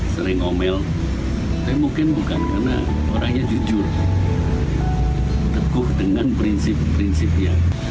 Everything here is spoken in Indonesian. sering omel tapi mungkin bukan karena orangnya jujur teguh dengan prinsip prinsipnya